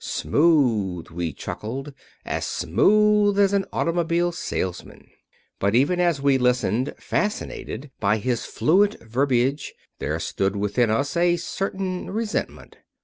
"Smooth!" we chuckled. "As smooth as an automobile salesman." But even as we listened, fascinated by his fluent verbiage there grew within us a certain resentment.